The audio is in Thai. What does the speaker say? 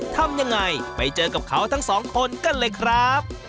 ทำยังไงไปเจอกับเขาทั้งสองคนกันเลยครับ